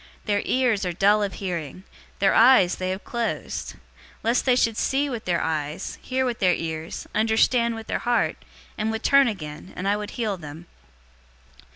Their ears are dull of hearing. Their eyes they have closed. Lest they should see with their eyes, hear with their ears, understand with their heart, and would turn again, and I would heal them.'